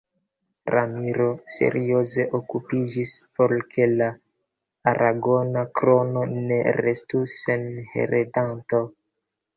Ramiro serioze okupiĝis por ke la Aragona Krono ne restu sen heredanto.